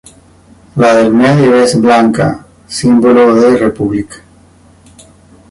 La del medio es blanca, símbolo de República.